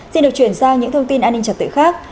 xin được chuyển sang những thông tin an ninh trật tự khác